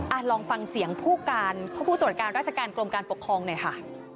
ลองฟังเสียงผู้การผู้ตรวจการราชการกรมการปกครองหน่อยค่ะ